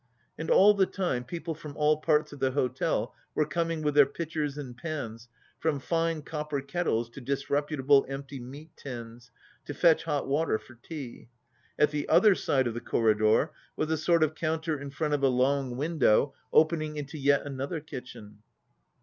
And all the time people from all parts of the hotel were coming with their pitchers and pans, from fine copper ket tles to disreputable empty meat tins, to fetch hot water for tea. At the other side of the corridor was a sort of counter in front of a long window opening into yet another kitchen.